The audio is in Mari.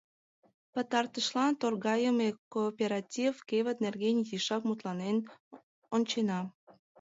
Пытартышлан торгайыме кооператив кевыт нерген изишак мутланен ончена.